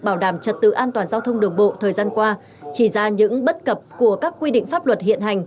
bảo đảm trật tự an toàn giao thông đường bộ thời gian qua chỉ ra những bất cập của các quy định pháp luật hiện hành